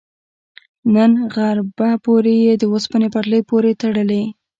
تر غربه پورې یې د اوسپنې پټلۍ پورې تړي.